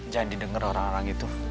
jangan didengar orang orang itu